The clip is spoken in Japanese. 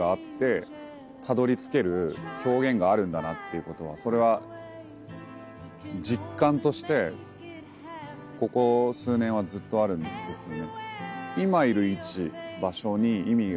いうことはそれは実感としてここ数年はずっとあるんですよね。